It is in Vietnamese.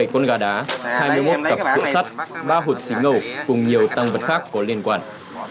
bảy con gà đá hai mươi một cặp cuộn sắt ba hột xí ngầu cùng nhiều tăng vật khác có liên quan